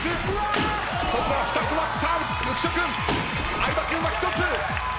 相葉君は１つ！